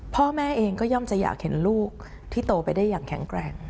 พ่อแม่เองก็ย่อมจะอยากเห็นลูกที่โตไปได้อย่างแข็งแกร่ง